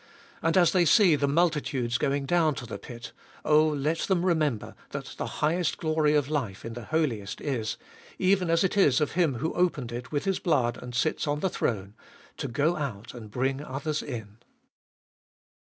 And as they see the multitudes going down to the pit, oh let them remember that the highest glory of life in the Holiest is, even as it is of Him who opened it with His blood and sits on the throne, to go out and bring others in.